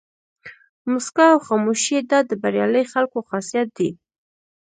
موسکا او خاموشي دا د بریالي خلکو خاصیت دی.